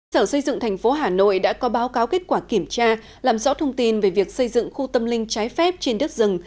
sở xây dựng thành phố hà nội đã có báo cáo kết quả kiểm tra làm rõ thông tin về việc xây dựng khu tâm linh trái phép trên đất rừng